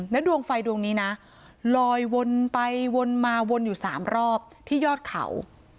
ดวงไฟดวงนี้นะลอยวนไปวนมาวนอยู่๓รอบที่ยอดเขา